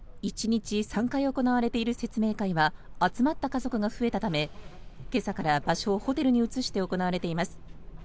１日３回行われている説明会は集まった家族が増えたため今朝から場所をホテルに移して行われています。